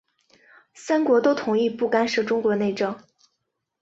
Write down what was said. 三国都同意不干涉中国内政。